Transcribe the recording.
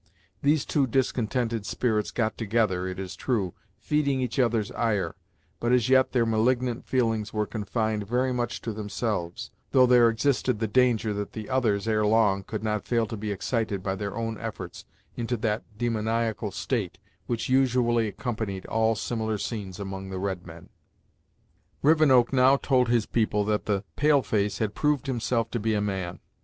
These two discontented spirits got together, it is true, feeding each other's ire, but as yet their malignant feelings were confined very much to themselves, though there existed the danger that the others, ere long, could not fail to be excited by their own efforts into that demoniacal state which usually accompanied all similar scenes among the red men. Rivenoak now told his people that the pale face had proved himself to be a man.